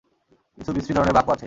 কিছু বিশ্রী ধরণের বাঁকও আছে।